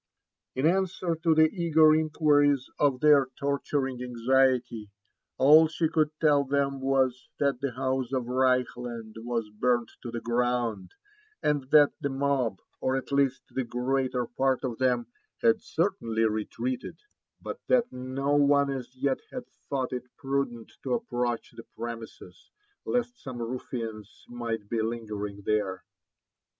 In answer to the eager inquiries of their torturing anxiety, all she could tell them was, that the house of Reichland was burnt to the ground, and (hat the mob, or at least the greater part of them, had Certainly retreated ; bat that no one as yet had thought it prudent to approach the premises, lest some ruffians might be lingering there.